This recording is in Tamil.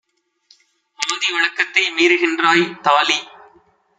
ஆதி வழக்கத்தை மீறுகின்றாய்! - தாலி